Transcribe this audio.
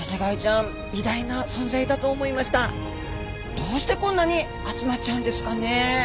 どうしてこんなに集まっちゃうんですかね？